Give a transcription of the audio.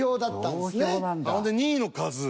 ほんで２位の数。